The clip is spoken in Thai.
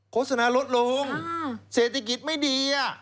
โฆษณาลดลงเศรษฐกิจไม่ดี